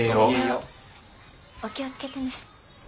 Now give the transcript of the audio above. お気を付けてね。